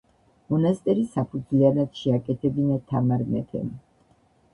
მონასტერი საფუძვლიანად შეაკეთებინა თამარ მეფემ.